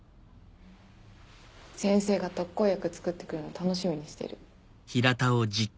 先生が特効薬作ってくれるの楽しみにしてる。